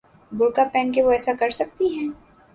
برقعہ پہن کے وہ ایسا کر سکتی ہیں؟